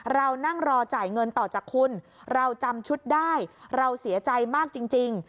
เรานั่งรอจ่ายเงินต่อจากคุณเราจำชุดได้เราเสียใจมากจริง